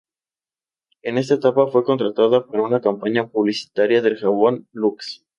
En esa etapa fue contratada para una campaña publicitaria del jabón "Lux".